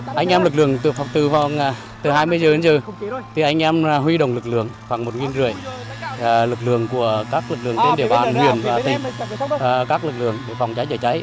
khoảng một năm trăm linh lực lượng của các lực lượng trên địa bàn huyện và tỉnh các lực lượng phòng cháy chữa cháy